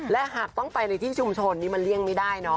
และหากต้องไปในที่ชุมชนนี่มันเลี่ยงไม่ได้เนาะ